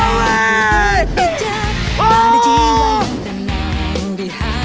tarik nafas yang dalam